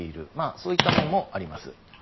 そういった面もあります。